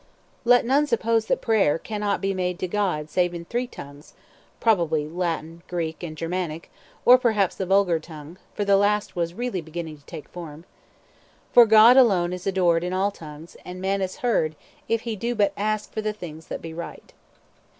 "Let none suppose that prayer cannot be made to God save in three tongues [probably Latin, Greek, and Germanic, or perhaps the vulgar tongue; for the last was really beginning to take form], for God is adored in all tongues, and man is heard if he do but ask for the things that be right."